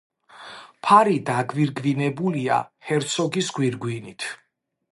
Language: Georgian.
ფარი დაგვირგვინებულია ჰერცოგის გვირგვინით.